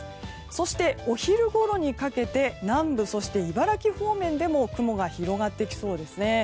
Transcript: そして、お昼ごろにかけて南部、茨城方面でも雲が広がってきそうです。